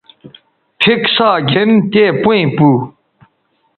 پِھک ساگِھن تے پئیں پو